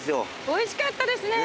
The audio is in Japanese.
おいしかったですね！